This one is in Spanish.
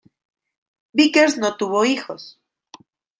Vickers no tuvo hijos.